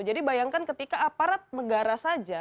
jadi bayangkan ketika aparat negara saja